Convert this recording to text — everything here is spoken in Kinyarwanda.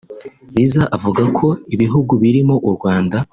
Liza avuga ko ibihugu birimo u Rwanda